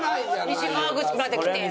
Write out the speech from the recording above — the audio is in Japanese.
西川口まで来て。